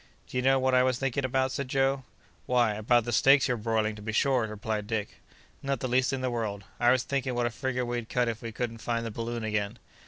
"Do you know what I was thinking about?" said Joe. "Why, about the steaks you're broiling, to be sure!" replied Dick. "Not the least in the world. I was thinking what a figure we'd cut if we couldn't find the balloon again."